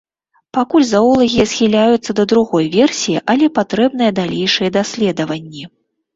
Пакуль заолагі схіляюцца да другой версіі, але патрэбныя далейшыя даследаванні.